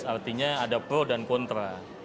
artinya ada pro dan kontra